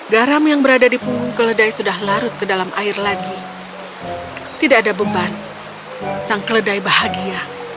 garam yang berada di punggung keledai sudah larut ke dalam air lagi tidak ada beban sang keledai bahagia